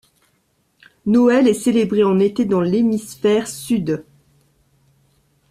Noël est célébré en été dans l'hémisphère sud.